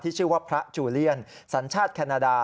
ชื่อว่าพระจูเลียนสัญชาติแคนาดา